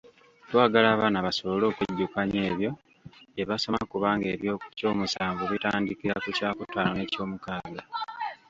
Twagala abaana basobole okwejjukanya ebyo bye basoma kubanga eby'ekyomusanvu bitandikira ku kyakutaano n'ekyomukaaga.